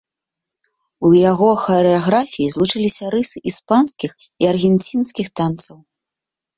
У яго харэаграфіі злучыліся рысы іспанскіх і аргенцінскіх танцаў.